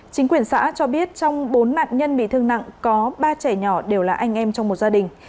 chính quyền xã cho biết trong bốn nạn nhân bị thương nặng có ba trẻ nhỏ đều là anh em trong một gia đình